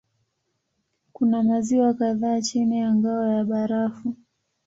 Kuna maziwa kadhaa chini ya ngao ya barafu.